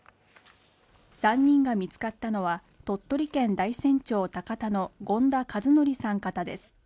３人が見つかったのは鳥取県大山町高田の権田一則さん方です